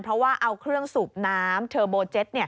เพราะว่าเอาเครื่องสูบน้ำเทอร์โบเจ็ต